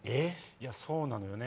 そうなのよね。